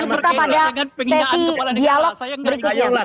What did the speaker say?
nanti kita lanjutkan perbincangan kita pada sesi dialog berikutnya